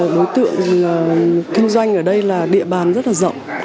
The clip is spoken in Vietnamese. đối tượng kinh doanh ở đây là địa bàn rất là rộng